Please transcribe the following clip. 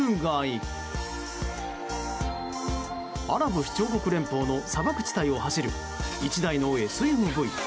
アラブ首長国連邦の砂漠地帯を走る１台のＳＵＶ。